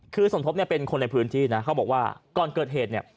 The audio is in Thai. คือสมทบเนี่ยเป็นคนในพื้นที่นะเขาบอกว่าก่อนเกิดเหตุเนี่ย